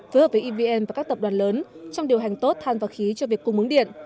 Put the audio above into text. phối hợp với evn và các tập đoàn lớn trong điều hành tốt than và khí cho việc cung mướng điện